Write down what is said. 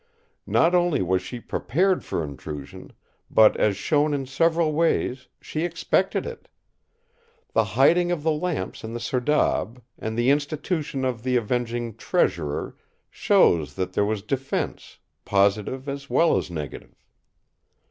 Not only was she prepared for intrusion, but, as shown in several ways, she expected it. The hiding of the lamps in the serdab, and the institution of the avenging 'treasurer' shows that there was defence, positive as well as negative.